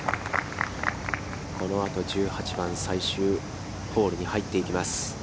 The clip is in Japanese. このあと１８番、最終ホールに入っていきます。